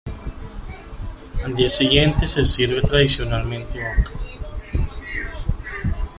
Al día siguiente se sirve tradicionalmente oca.